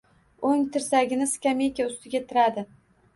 O'ng tirsagini skameyka ustiga tiradi.